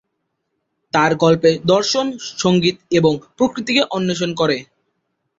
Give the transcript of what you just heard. তার গল্পে দর্শন, সংগীত এবং প্রকৃতিকে অন্বেষণ করে।